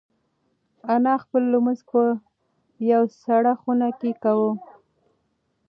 انا خپل لمونځ په یوه سړه خونه کې کاوه.